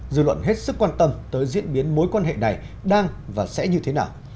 dư luận hết sức quan tâm tới diễn biến mối quan hệ này đang và sẽ như thế nào